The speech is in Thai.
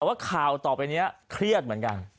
แต่ว่าข่าวต่อไปนี้เครียดเหมือนกัน